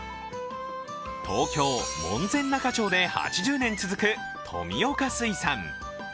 東京・門前仲町で８０年続く富岡水産。